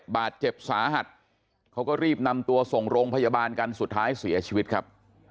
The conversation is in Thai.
บาดเจ็บสาหัสเขาก็รีบนำตัวส่งโรงพยาบาลกันสุดท้ายเสียชีวิตครับ